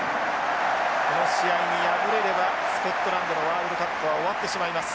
この試合に敗れればスコットランドのワールドカップは終わってしまいます。